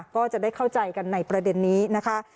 ก็จะได้เข้าใจกันในประเด็นนี้นะคะ